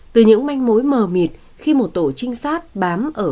từ những manh mối mờ mịt khi một tổ trinh sát bám ở